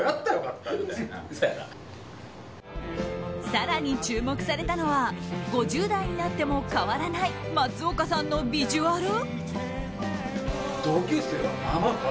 更に、注目されたのは５０代になっても変わらない松岡さんのビジュアル？